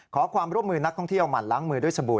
ขอความร่วมมือนักท่องเที่ยวหมั่นล้างมือด้วยสบู่